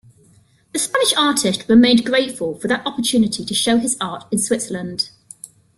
The Spanish artist remained grateful for that opportunity to show his art in Switzerland.